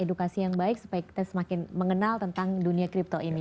edukasi yang baik supaya kita semakin mengenal tentang dunia crypto ini